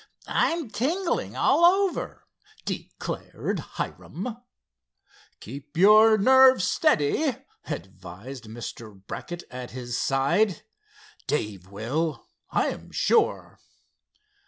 "I'm tingling all over!" declared Hiram. "Keep your nerves steady," advised Mr. Brackett, at his side. "Dave will, I am sure."